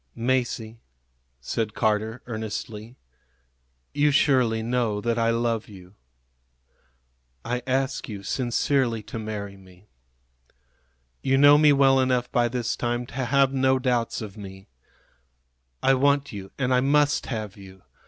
"Masie," said Carter, earnestly, "you surely know that I love you. I ask you sincerely to marry me. You know me well enough by this time to have no doubts of me. I want you, and I must have you.